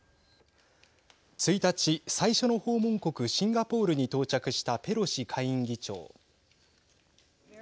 １日、最初の訪問国シンガポールに到着したペロシ下院議長。